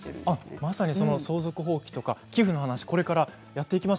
まさに相続放棄や寄付の話をこれからやっていきます。